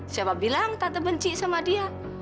siapa bilang tante benci sama dia